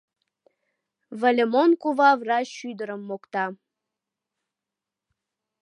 — Выльымон кува врач ӱдырым мокта.